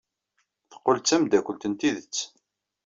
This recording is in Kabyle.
Teqqel d tameddakelt n tidet.